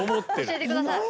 教えてください。